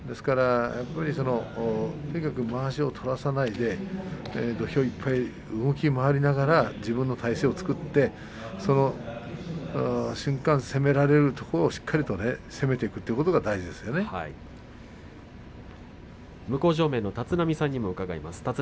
とにかくまわしを取らせないで土俵いっぱい動き回りながら自分の体勢を作って瞬間、攻められるところをしっかり攻めていくことが向正面の立浪さんにも伺います。